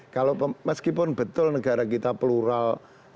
kalau meskipun betul negara kita plural